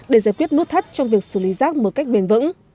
để giải quyết nút thắt trong việc xử lý rác một cách bền vững